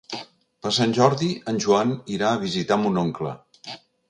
Per Sant Jordi en Joan irà a visitar mon oncle.